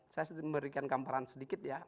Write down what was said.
saya sedikit memberikan gambaran sedikit ya